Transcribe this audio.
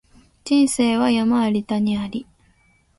人生は山あり谷あり